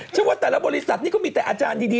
ว่าแต่ละบริษัทนี่ก็มีแต่อาจารย์ดี